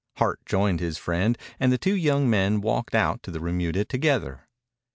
Hart joined his friend and the two young men walked out to the remuda together.